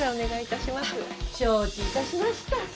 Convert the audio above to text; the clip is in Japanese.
承知致しました。